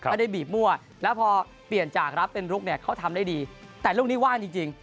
ไม่ได้บีบมั่วแล้วพอเปลี่ยนจากรับเป็นลุกเนี่ยเขาทำได้ดีแต่ลูกนี้ว่างจริง